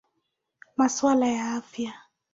Masuala ya Afya.